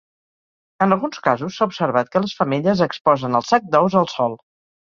En alguns casos s'ha observat que les femelles exposen el sac d'ous al sol.